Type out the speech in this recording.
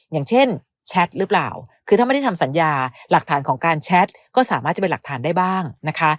อย่างเช่นแชทหรือเปล่าคือถ้าไม่ได้ทำสัญญาหลักฐานของการแชทก็สามารถจะเป็นหลักฐานได้บ้างนะคะ